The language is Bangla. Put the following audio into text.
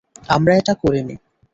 আমরা এটা করিনি।